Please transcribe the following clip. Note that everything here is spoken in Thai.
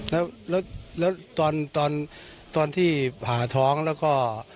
แล้วแล้วตอนตอนตอนที่ผ่าท้องแล้วก็